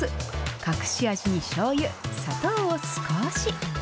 隠し味にしょうゆ、砂糖を少し。